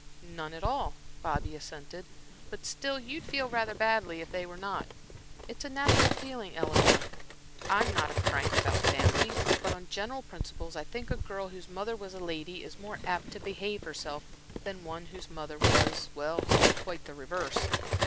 "None at all," Bobby assented, "but still you'd feel rather badly if they were not. It's a natural feeling, Eleanor. I'm not a crank about family, but on general principles, I think a girl whose mother was a lady is more apt to behave herself than one whose mother was well, quite the reverse."